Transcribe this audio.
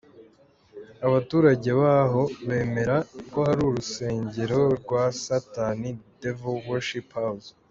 Abaturage baho bemera ko hari urusengero rwa Satani Devil Worship House.